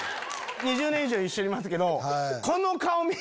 ２０年以上一緒にいますけど。